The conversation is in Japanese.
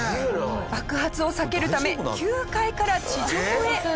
爆発を避けるため９階から地上へ。